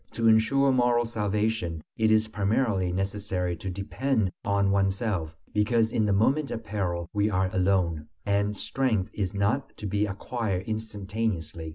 To ensure moral salvation, it is primarily necessary to depend on oneself, because in the moment of peril we are alone. And strength is not to be acquired instantaneously.